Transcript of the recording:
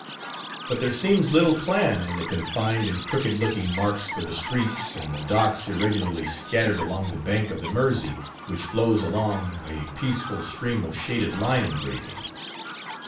_ But there seems little plan in the confined and crooked looking marks for the streets, and the docks irregularly scattered along the bank of the Mersey, which flows along, a peaceful stream of shaded line engraving.